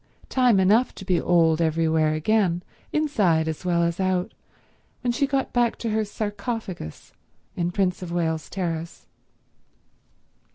Time enough to be old everywhere again, inside as well as out, when she got back to her sarcophagus in Prince of Wales Terrace.